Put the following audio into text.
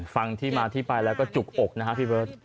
ฟังที่มาที่ไปแล้วก็จุกอกนะฮะพี่เบิร์ต